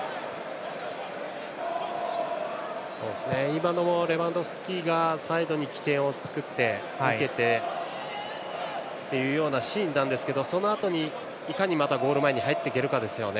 今のもレバンドフスキがサイドに起点を作って受けてというようなシーンですがそのあとにいかにまたゴール前に入っていけるかですよね。